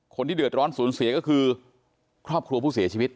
คนที่เดือดร้อนสูญเสียก็คือครอบครัวผู้เสียชีวิต